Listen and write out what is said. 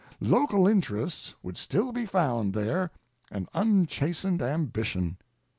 Local interests would still be found there, and unchastened ambition.